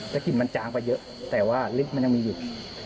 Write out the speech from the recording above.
กลิ่นมันจางไปเยอะแต่ว่าลิฟต์มันยังมีอยู่